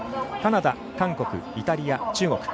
カナダ、韓国イタリア、中国